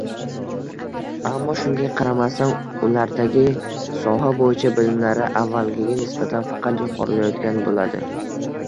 Ammo shunga qaramasdan, ulardagi soha bo’yicha bilimlari avvalgiga nisbatan faqat yuqorilayotgan bo’ladi